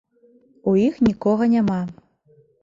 У іх нікога няма.